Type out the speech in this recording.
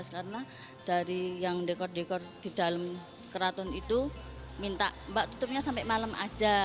karena dari yang dekor dekor di dalam keraton itu minta mbak tutupnya sampai malem aja